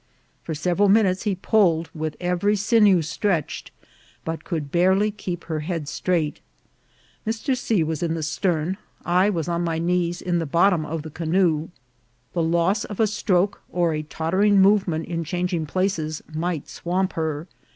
For several minutes he pulled, with every sinew stretched, but could barely keep her head straight. Mr. C. was in the stern, I on my knees in the bot tom of the canoe. The loss of a stroke, or a totter ing movement in changing places, might swamp her ; LOFTY MOUNTAIN RANGE.